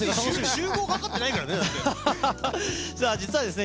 集合かかってないからね。